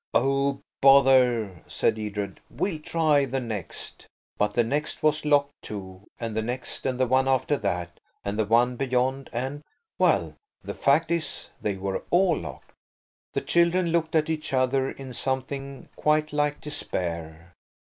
"Oh, bother!" said Edred; "we'll try the next." But the next was locked, too–and the next, and the one after that, and the one beyond, and–Well, the fact is, they were all locked. The children looked at each other in something quite like despair.